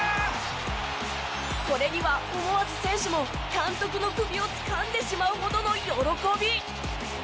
これには思わず選手も監督の首をつかんでしまうほどの喜び。